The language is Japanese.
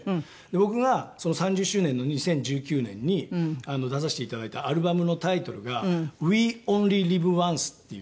僕が３０周年の２０１９年に出させていただいたアルバムのタイトルが『ＷｅＯｎｌｙＬｉｖｅＯｎｃｅ』っていう。